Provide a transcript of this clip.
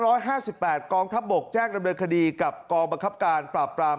ร้อยห้าสิบแปดกองทัพบกแจ้งดำเนินคดีกับกองบังคับการปราบปราม